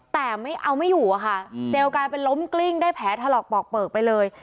แต่ไม่เอาไม่อยู่อ่ะค่ะอืมเซลล์กลายเป็นล้มกลิ้งได้แผลทะเลาะปอกเปิดไปเลย